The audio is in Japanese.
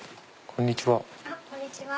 こんにちは。